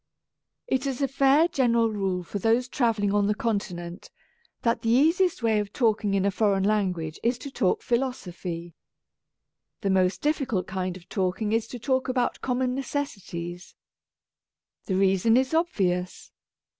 It is a fair general rule for those travel ling on the Continent that the easiest way of talking in a foreign language is to talk philosophy. The most difficult kind of talking is to talk about common necessities. The reason is obvious.